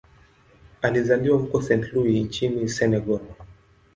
Alizaliwa huko Saint-Louis nchini Senegal.